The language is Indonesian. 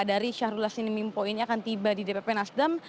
dari syahrul yassin limpo ini akan tiba di dpp nasdem